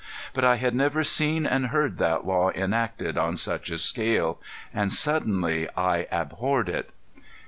But I had never seen and heard that law enacted on such a scale; and suddenly I abhorred it.